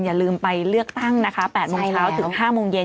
อย่าลืมไปเลือกตั้งนะคะ๘โมงเช้าถึง๕โมงเย็น